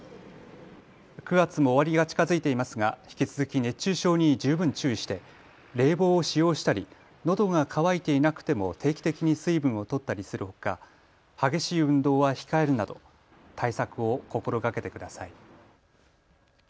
９月も終わりが近づいていますが引き続き熱中症に十分注意して冷房を使用したりのどが渇いていなくても定期的に水分をとったりするほか激しい運動は控えるなど対策を心がけてください。